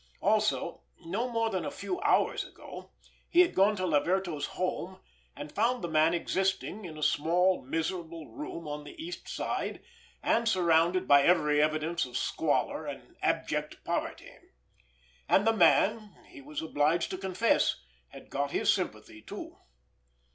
Also, no more than a few hours ago, he had gone to Laverto's home and found the man existing in a small, miserable room on the East Side, and surrounded by every evidence of squalor and abject poverty; and the man, he was obliged to confess, had got his sympathy too.